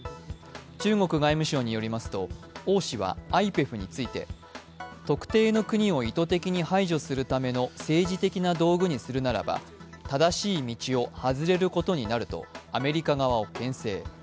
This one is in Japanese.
中国外務省によりますと、王氏はＩＰＥＦについて特定の国を意図的に排除するための政治的な道具にするならば正しい道を外れることになるとアメリカ側をけん制。